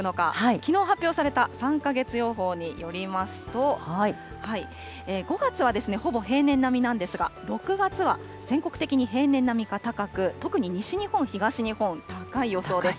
きのう発表された３か月予報によりますと、５月はほぼ平年並みなんですが、６月は全国的に平年並みか高く、特に西日本、東日本、高い予想です。